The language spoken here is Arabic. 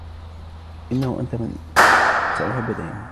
إنه أنت من سأحب دائمًا.